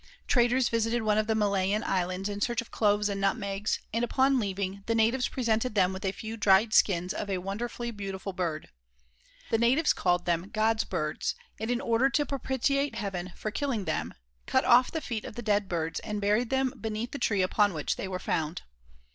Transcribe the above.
Traders visited one of the Malayan islands in search of cloves and nutmegs, and upon leaving, the natives presented them with a few dried skins of a wonderfully beautiful bird. The natives called them "God's Birds," and in order to propitiate heaven for killing them, cut off the feet of the dead birds and buried them beneath the tree upon which they were found.